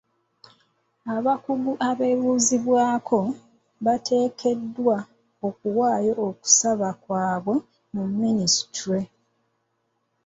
Abakugu abeebuuzibwako bateekeddwa okuwaayo okusaba kwaabwe mu minisitule